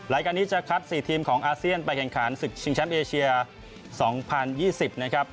รายการนี้จะคัดสี่ทีมของอาเซียนไปแข่งขารศึกชิงแชมป์เอเชียสองพันยี่สิบนะครับ